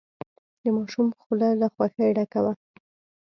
د ماشوم خوله له خوښۍ ډکه وه.